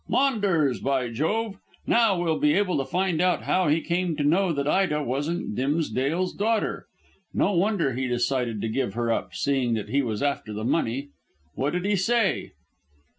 Maunders, by jove! Now we'll be able to find out how he came to know that Ida wasn't Dimsdale's daughter. No wonder he decided to give her up, seeing that he was after the money. What did he say?"